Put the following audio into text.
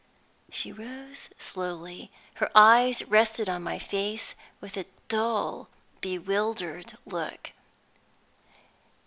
She rose slowly. Her eyes rested on my face with a dull, bewildered look.